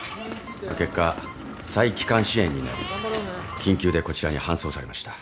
結果細気管支炎になり緊急でこちらに搬送されました。